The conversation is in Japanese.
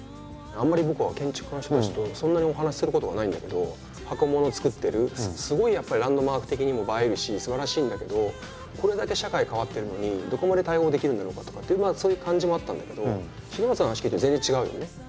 あんまり僕は建築家の人たちとそんなにお話しすることがないんだけど箱ものを作ってるすごいやっぱりランドマーク的にも映えるしすばらしいんだけどこれだけ社会変わってるのにどこまで対応できるんだろうかとかっていうそういう感じもあったんだけど重松さんの話聞いてると全然違うよね。